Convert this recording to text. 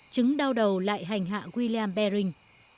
chứng đau đầu lại hành hạ william bering